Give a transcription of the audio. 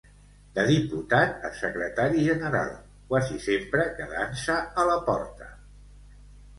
De diputat a secretari general, quasi sempre quedant-se a la porta.